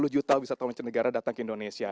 dua puluh juta wisata mancanegara datang ke indonesia